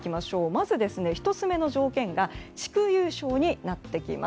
まず１つ目の条件が地区優勝に成ってきます。